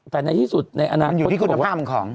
แต่ในที่สุดในอนาคตมันอยู่ที่คุณภาพมันของ